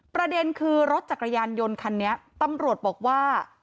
ประเด็นคือรถจักรยานยนต์คันนี้ตำรวจบอกว่า